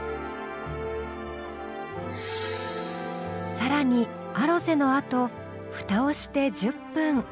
更にアロゼのあとふたをして１０分。